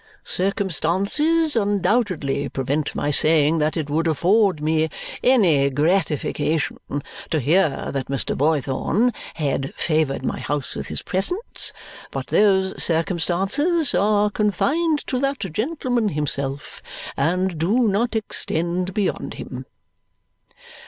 Circumstances undoubtedly prevent my saying that it would afford me any gratification to hear that Mr. Boythorn had favoured my house with his presence, but those circumstances are confined to that gentleman himself and do not extend beyond him."